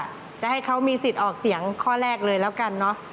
จะให้เขามีสิทธิ์ออกเสียงข้อแรกเลยแล้วกันเนอะ